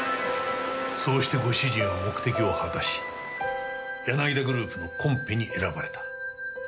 そうしてご主人は目的を果たしヤナギダグループのコンペに選ばれた。